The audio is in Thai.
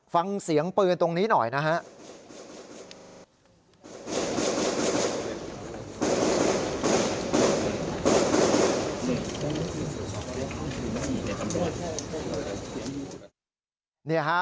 ฟังเสียงปืนตรงนี้หน่อยนะฮะ